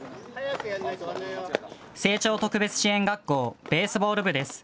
青鳥特別支援学校ベースボール部です。